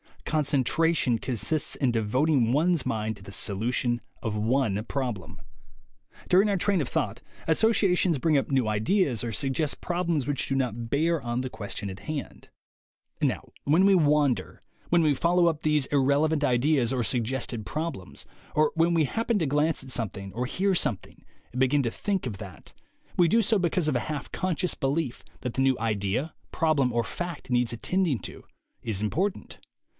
Concentration consists in devoting one's mind to the solution of one problem. During our train of thought associations bring up new ideas or suggest problems which do not bear on the question at 116 THE WAY TO WILL POWER hand. Now when we wander, wnen we tollow up these irrelevant ideas or suggested problems, or when we happen to glance at something or hear something and begin to think of that, we do so because of a half conscious belief that the new idea, problem or fact needs attending to, is impor tant.